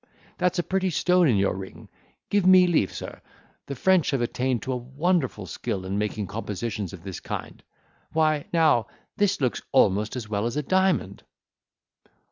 That's a pretty stone in your ring—give me leave, sir—the French have attained to a wonderful skill in making compositions of this kind. Why, now, this looks almost as well as a diamond."